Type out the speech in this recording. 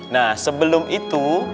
nah sebelum itu